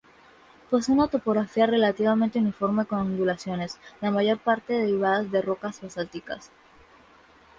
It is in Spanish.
Posee una topografía relativamente uniforme con ondulaciones, la mayor parte derivadas de rocas basálticas.